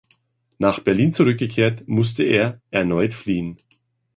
Nach Berlin zurückgekehrt musste er erneut fliehen.